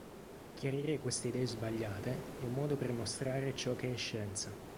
Chiarire queste idee sbagliate è un modo per mostrare ciò che è scienza".